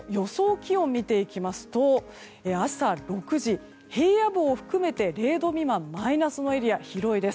気温を見ていきますと朝６時、平野部を含めて０度未満マイナスのエリア、広いです。